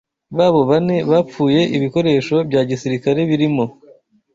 babo bane bapfuye ibikoresho bya gisirikare birimo